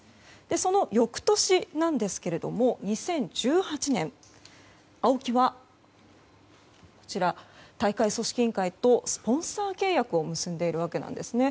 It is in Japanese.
その翌年なんですけれども２０１８年ＡＯＫＩは、大会組織委員会とスポンサー契約を結んでいるんですね。